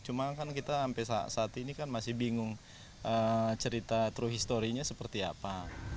cuma kan kita sampai saat ini kan masih bingung cerita truhistorinya seperti apa